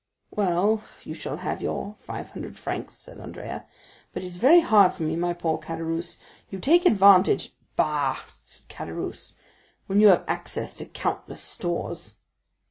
"Well, you shall have your five hundred francs," said Andrea; "but it is very hard for me, my poor Caderousse—you take advantage——" "Bah," said Caderousse, "when you have access to countless stores."